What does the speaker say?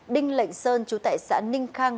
đinh lệnh sơn chú tại xã ninh khang huyện hải phòng